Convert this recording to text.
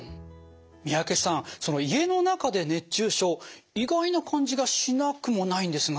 三宅さん家の中で熱中症意外な感じがしなくもないんですが。